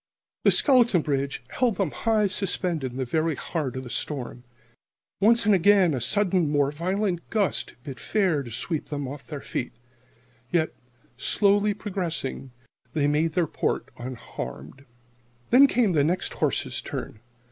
The skeleton bridge held them high suspended in the very heart of the storm. Once and again a sudden more violent gust bid fair to sweep them off their feet. Yet, slowly progressing, they made their port unharmed. Then came the next horse's turn.